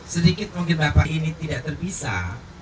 sedikit mungkin bapak ini tidak terpisah